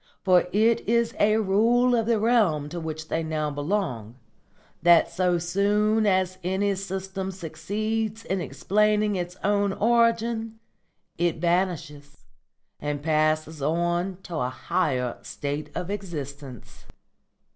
For it is a rule of the realm to which they now belong that so soon as any system succeeds in explaining its own origin it vanishes and passes on to a still higher state of existence."